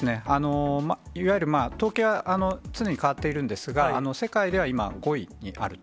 いわゆる統計は常に変わっているんですが、世界では今、５位にあると。